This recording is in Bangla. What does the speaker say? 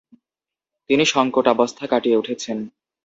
তিনি শঙ্কটাবস্থা কাটিয়ে উঠেছেন।